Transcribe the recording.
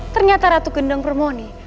ternyata ratu gendong permoni